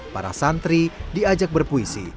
para santri diajak berpuisi